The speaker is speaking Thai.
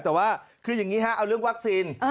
แต่ว่าคืออย่างนี้ฮะเอาเรื่องวัคซีน